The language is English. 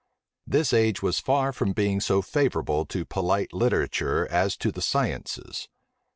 This age was far from being so favorable to polite literature as to the sciences.